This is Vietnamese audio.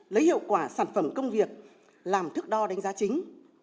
lấy hiệu quả sản phẩm công việc làm thước đo đánh giá chính